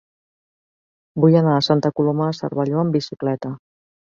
Vull anar a Santa Coloma de Cervelló amb bicicleta.